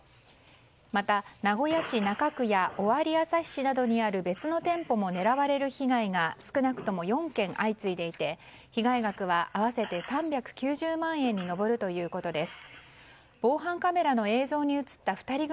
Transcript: また名古屋市中区や尾張旭市などにある別の店舗も狙われる被害が少なくとも４件相次いでいて被害額は合わせて３９０万円に上るということです。